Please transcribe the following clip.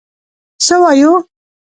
څه وایو.